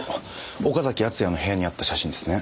岡崎敦也の部屋にあった写真ですね。